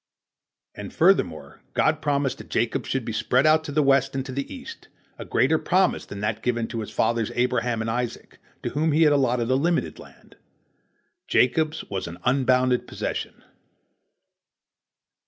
" And, furthermore, God promised that Jacob should spread out to the west and to the east, a greater promise than that given to his fathers Abraham and Isaac, to whom He had allotted a limited land. Jacob's was an unbounded possession.